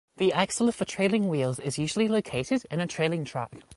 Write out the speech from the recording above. The axle of the trailing wheels is usually located in a trailing truck.